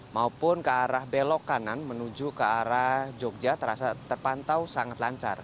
maupun ke arah belok kanan menuju ke arah jogja terasa terpantau sangat lancar